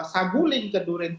sabuling ke duren tiga